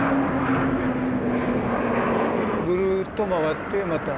ぐるっと回ってまた。